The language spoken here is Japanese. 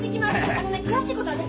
あのね詳しいことはね